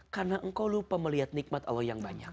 karena engkau lupa melihat nikmat allah yang banyak